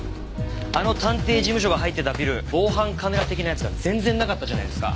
あの探偵事務所が入ってたビル防犯カメラ的なやつが全然なかったじゃないですか。